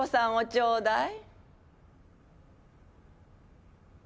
ちょうだい。